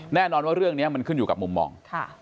แน่นอนว่าเรื่องนี้มันขึ้นอยู่กับมุมมอง